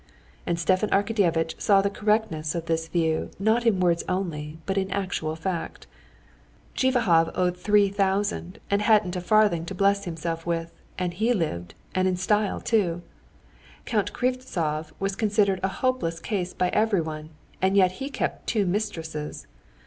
And Stepan Arkadyevitch saw the correctness of this view not in words only but in actual fact. Zhivahov owed three hundred thousand, and hadn't a farthing to bless himself with, and he lived, and in style too! Count Krivtsov was considered a hopeless case by everyone, and yet he kept two mistresses.